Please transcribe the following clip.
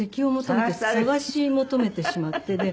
探し求めてしまって。